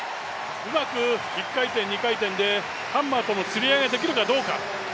うまく１回転、２回転でハンマーとの釣り合いができるかどうか。